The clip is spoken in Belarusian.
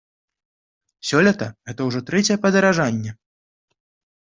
Сёлета гэта ўжо трэцяе падаражанне.